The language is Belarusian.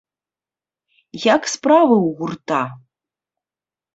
Як справы ў гурта?